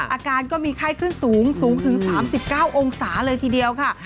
อาการก็มีไข้ขึ้นสูงสูงถึง๓๙องศาเลยทีเดียวค่ะ